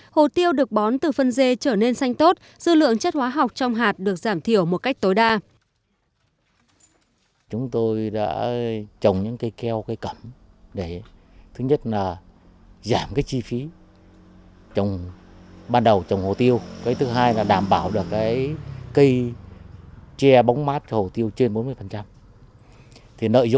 hồ tiêu được bón từ phân dê trở nên xanh tốt dư lượng chất hóa học trong hạt được giảm thiểu một cách tối đa